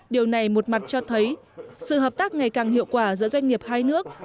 điều này một mặt cho thấy sự hợp tác ngày càng hiệu quả giữa doanh nghiệp hai nước